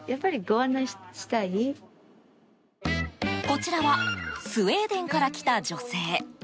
こちらはスウェーデンから来た女性。